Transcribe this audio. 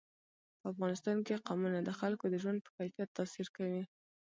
په افغانستان کې قومونه د خلکو د ژوند په کیفیت تاثیر کوي.